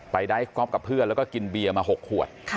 ไดท็อปกับเพื่อนแล้วก็กินเบียร์มา๖ขวด